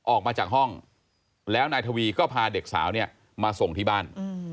ออกมาจากห้องแล้วนายทวีก็พาเด็กสาวเนี่ยมาส่งที่บ้าน